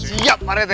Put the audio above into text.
siap pak rt